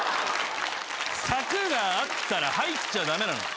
柵があったら入っちゃ駄目なの。